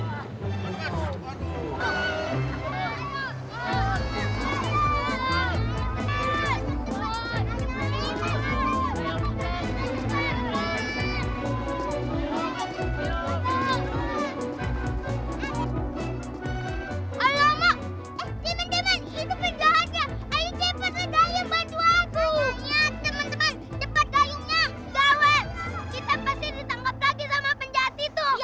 gawe kita pasti ditangkap lagi sama penjahat itu